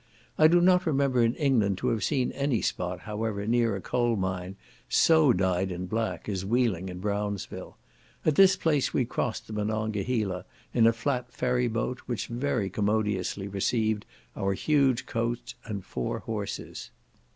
I do not remember in England to have seen any spot, however near a coal mine, so dyed in black as Wheeling and Brownsville. At this place we crossed the Monongehala, in a flat ferry boat, which very commodiously received our huge coach and four horses.